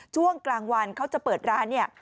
ช่วงกลางวันเขาจะเปิดร้านเนี่ย